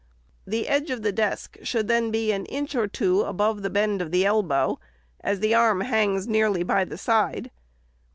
The edge of the desk should then be an inch or two above the bend of the elbow, as the arm hangs nearly by the side.